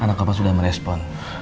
anak papa sudah merespon